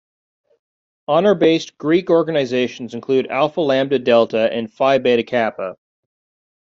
Honor-based Greek organizations include Alpha Lambda Delta and Phi Beta Kappa.